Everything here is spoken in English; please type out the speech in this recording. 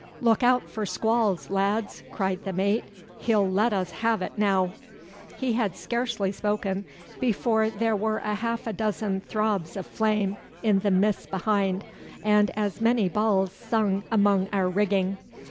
'Look out for squalls, lads!' cried the mate. 'He'll let us have it now.' He had scarcely spoken before there were half a dozen throbs of flame in the mist behind, and as many balls sung among our rigging.